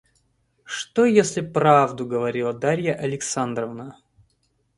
Что, если правду говорила Дарья Александровна?